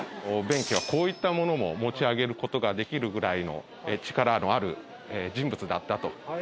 弁慶はこういったものも持ち上げる事ができるぐらいの力のある人物だったと。